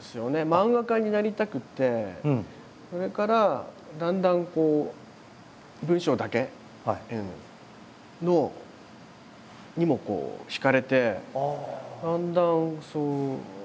漫画家になりたくってそれからだんだん文章だけのにも惹かれてだんだんそう！